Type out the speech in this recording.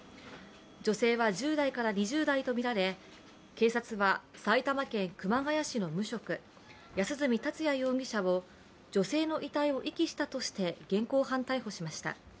女性は１０代から２０代とみられ、警察は埼玉県熊谷市の無職安栖達也容疑者を女性の遺体を遺棄したとして現行犯逮捕しました。